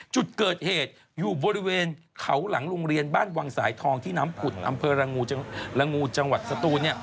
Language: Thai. จุดเกิดเหตุอยู่บริเวณเขาหลังโรงเรียนบ้านวังสายทองที่น้ำผุดอำเภอระงูจังหวัดสตูน